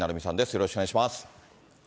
よろしくお願いします。